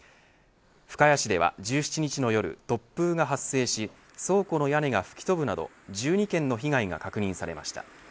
深谷市では１７日の夜突風が発生し倉庫の屋根が吹き飛ぶなど１２件の被害が確認されました。